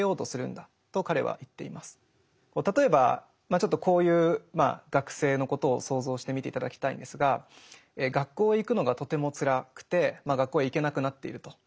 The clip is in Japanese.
例えばちょっとこういう学生のことを想像してみて頂きたいんですが学校へ行くのがとてもつらくてまあ学校へ行けなくなっていると。